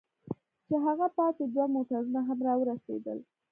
چې هغه پاتې دوه موټرونه هم را ورسېدل.